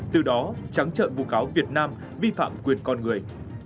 từ đó trắng trợ vụ cáo việt nam vi phạm quyền con người